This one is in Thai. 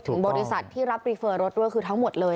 บริษัทที่รับรีเฟอร์รถด้วยคือทั้งหมดเลย